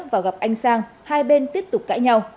và gặp anh sang hai bên tiếp tục cãi nhau